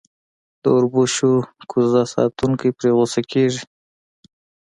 د اوربشو کوزه ساتونکی پرې غصه کېږي.